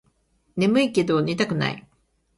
ねむいけど寝たくない